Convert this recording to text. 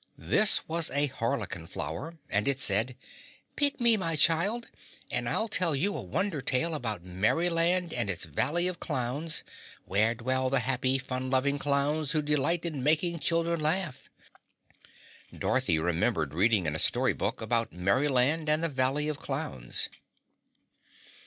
This was a harlequin flower and it said, "Pick me, child, and I'll tell you a wonder tale about Merryland and its Valley of Clowns, where dwell the happy, fun loving clowns who delight in making children laugh." Dorothy remembered reading in a story book about Merryland and the Valley of Clowns.